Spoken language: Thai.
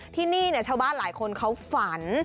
ที่นี่ชาวบ้านหลายคนเขาฝัน